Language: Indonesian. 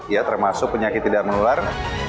ya termasuk penyakit tidak menular